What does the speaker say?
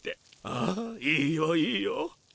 ああいいよいいよ。